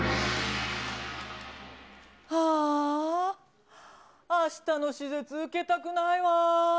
はーあ、あしたの手術、受けたくないわ。